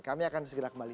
kami akan segera kembali